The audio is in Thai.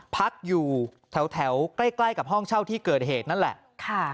พักอยู่แถวใกล้ใกล้กับห้องเช่าที่เกิดเหตุนั่นแหละ